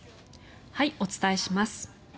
お伝えします。